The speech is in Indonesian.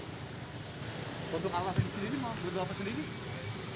untuk alat ini ini udah apa sendiri